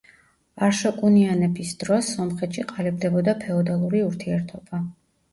არშაკუნიანების დროს სომხეთში ყალიბდებოდა ფეოდალური ურთიერთობა.